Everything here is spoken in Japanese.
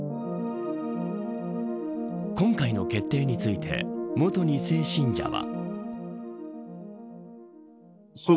今回の決定について元２世信者は。